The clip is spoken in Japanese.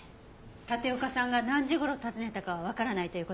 立岡さんが何時頃訪ねたかはわからないという事ね。